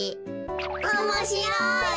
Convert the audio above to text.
おもしろい。